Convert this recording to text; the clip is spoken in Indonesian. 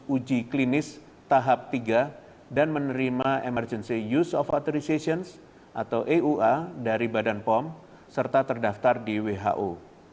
uji klinis tahap tiga dan menerima emergency use of authorizations atau eua dari badan pom serta terdaftar di who